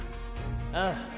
ああ。